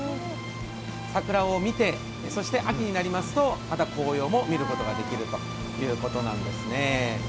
桜を見て、また秋になるとまた紅葉も見ることができるということなんですね。